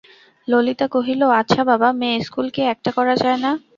ললিতা কহিল, আচ্ছা, বাবা, মেয়ে-ইস্কুল কি একটা করা যায় না?